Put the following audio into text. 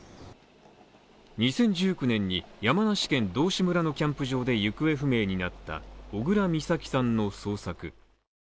２０１９年に山梨県道志村のキャンプ場で行方不明になった小倉美咲さんの捜索。